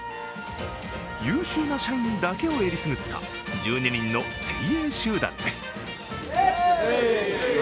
優秀な社員だけをよりすぐった１２人の精鋭集団です。